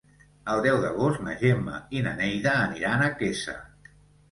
El deu d'agost na Gemma i na Neida aniran a Quesa.